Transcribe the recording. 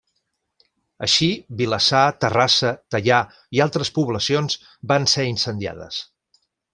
Així Vilassar, Terrassa, Teià i altres poblacions van ser incendiades.